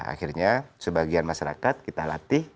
akhirnya sebagian masyarakat kita latih